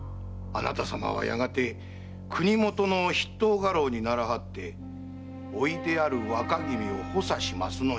あなたさまはやがて国許の筆頭家老にならはって甥である若君を補佐します。